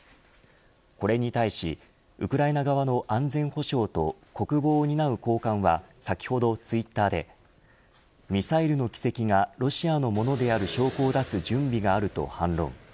これに対しウクライナ側の安全保障と国防を担う高官は先ほどツイッターでミサイルの軌跡がロシアのものである証拠を出す準備があると反論。